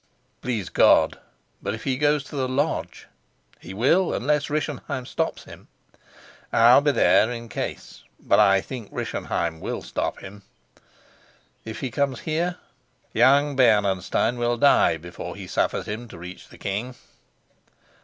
"Please God. But if he goes to the lodge? He will, unless Rischenheim stops him." "I'll be there in case but I think Rischenheim will stop him." "If he comes here?" "Young Bernenstein will die before he suffers him to reach the king."